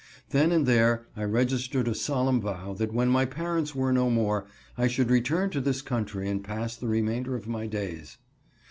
Then and there I registered a solemn vow that when my parents were no more, I should return to this country and pass the remainder of my days.